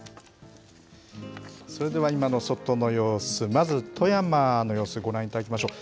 それでは今の外の様子、まず富山の様子、ご覧いただきましょう。